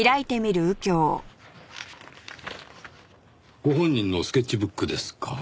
ご本人のスケッチブックですか。